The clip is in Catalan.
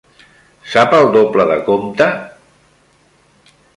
Sap el doble de compte?